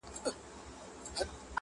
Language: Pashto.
د اخترونو د جشنونو شالمار خبري-